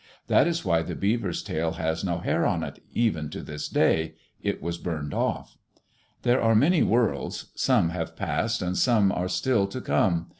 That is why the beaver's tail has no hair on it, even to this day. It was burned off. There are many worlds. Some have passed and some are still to come.